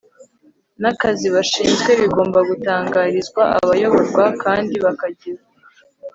n'akazi bashinzwe, bigomba gutangarizwa abayoborwa kandi bakagira